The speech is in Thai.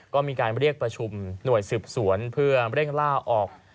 ก็มีการเรียกประชุมหน่วยสืบสวนเพื่อเร่งล่าออก